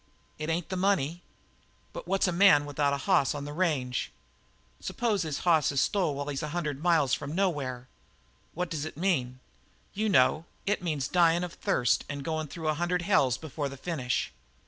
It ain't the money. But what's a man without a hoss on the range? Suppose his hoss is stole while he's hundred miles from nowhere? What does it mean? You know; it means dyin' of thirst and goin' through a hundred hells before the finish.